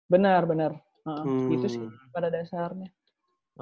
bener bener gitu sih pada dasarnya